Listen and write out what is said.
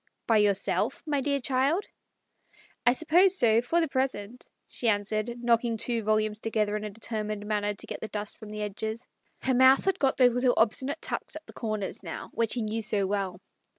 " By yourself, my dear child ?" "I suppose so, for the present," she an swered, knocking two volumes together in a determined manner, to get the dust from the edges. Her mouth had got those little obsti nate tucks at the corners now, which he knew so well.